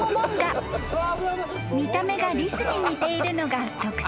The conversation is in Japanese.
［見た目がリスに似ているのが特徴です］